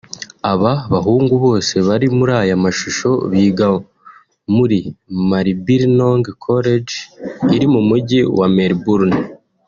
Aba bahungu bose bari muri aya mashusho biga muri Maribyrnong College iri mu mujyi wa Melbourne